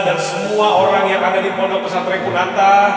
dan semua orang yang ada di pondok pesat rekunata